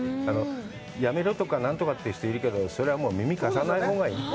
やめろとか何とか言う人いるけどそれはもう耳かさないほうがいい。